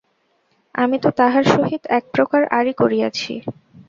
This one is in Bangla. আমি তো তাহার সহিত একপ্রকার আড়ি করিয়াছি।